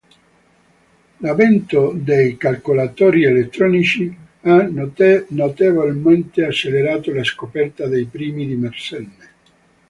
L'avvento dei calcolatori elettronici ha notevolmente accelerato la scoperta dei primi di Mersenne.